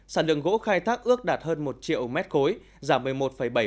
sản lượng gỗ khai thác ước đạt hơn một triệu mét khối giảm một mươi một bảy